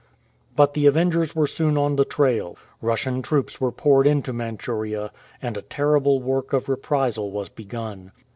But the avengers were soon on the trail. Russian troops were poured into Manchuria, and a terrible work of reprisal was begun.